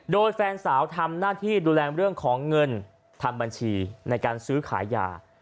โดยแฟนสาวทำหน้าที่ดูแลเรื่องของเงินทำบัญชีในการซื้อขายยา